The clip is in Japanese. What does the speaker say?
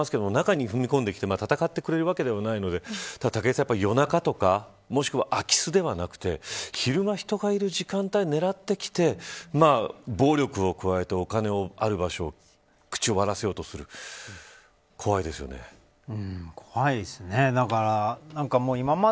あくまでも警備会社は来てはくれますけれど中に踏み込んで戦ってくれるわけではないので夜中とかもしくは空き巣ではなくて昼間、人がいる時間帯を狙ってきて暴力を加えてお金がある場所を口を割らせようとする怖いですよね。